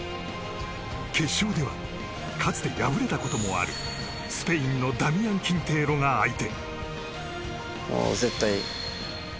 決勝ではかつて敗れたこともあるスペインのダミアン・キンテーロが相手。